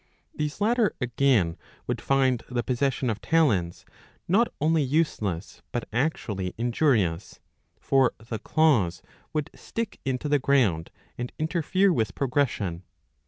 These latter, again, would find the possession of talons not only useless but actually injurious ; for the claws would stick into the ground and interfere with progression.